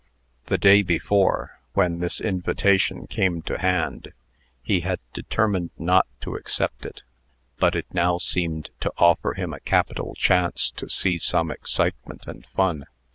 The day before, when this invitation came to hand, he had determined not to accept it; but it now seemed to offer him a capital chance to see some excitement and ran.